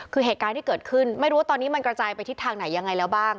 คือเหตุการณ์ที่เกิดขึ้นไม่รู้ว่าตอนนี้มันกระจายไปทิศทางไหนยังไงแล้วบ้าง